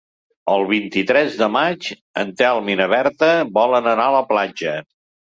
El vint-i-tres de maig en Telm i na Berta volen anar a la platja.